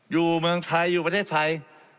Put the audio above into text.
เมืองไทยอยู่ประเทศไทย